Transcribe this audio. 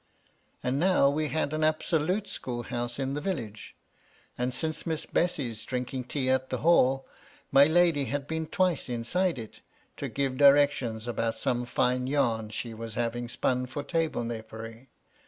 And now we had an absolute school house in the village ; and since Miss Bessy's drinking tea at the Hall, my lady had been twice inside it, to give directions about some fine yam she was having spun for table napery.